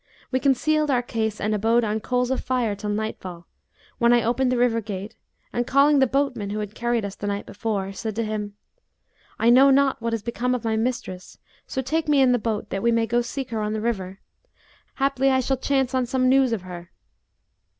We concealed our case and abode on coals of fire till nightfall, when I opened the river gate and, calling the boatman who had carried us the night before, said to him, 'I know not what is become of my mistress; so take me in the boat, that we may go seek her on the river: haply I shall chance on some news of her.